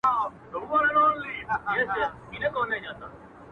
زه به دا توري سترګي چیري بدلومه-